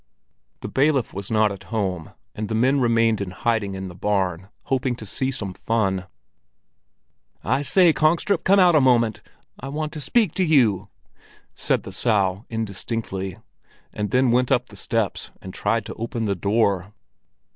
The bailiff was not at home, and the men remained in hiding in the barn, hoping to see some fun. "I say, Kongstrup, come out a moment! I want to speak to you!" said the Sow indistinctly—and then went up the steps and tried to open the door.